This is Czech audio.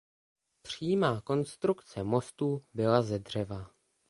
Přímá konstrukce mostu byla ze dřeva.